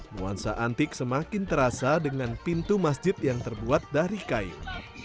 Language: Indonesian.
nuansa antik semakin terasa dengan pintu masjid yang terbuat dari kayu